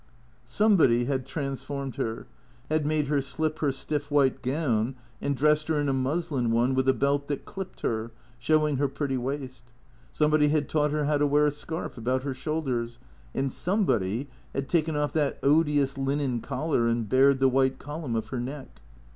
Somebody had transformed her, had made her slip her stiff white gown and dressed her in a muslin one with a belt that clipped her, showing her pretty waist. Somebody had taught her how to wear a scarf about her shoulders ; and somebody had taken off that odious linen collar and bared the white column of her neck.